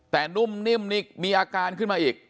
แต่นุ่มนิ่มนี่มีอาการขึ้นมาอีก